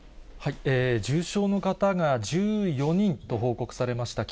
重症の方が１４人と報告されました。